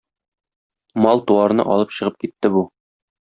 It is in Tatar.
Мал-туарны алып чыгып китте бу.